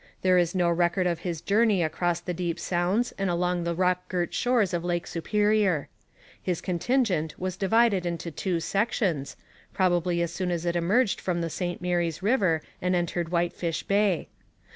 There is no record of his journey across the deep sounds and along the rock girt shores of Lake Superior. His contingent was divided into two sections, possibly as soon as it emerged from the St Mary's river and entered Whitefish Bay.